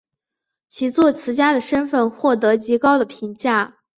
其作词家的身份获得极高的评价。